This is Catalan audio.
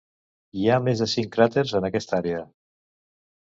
Hi ha més de cinc cràters en aquesta àrea.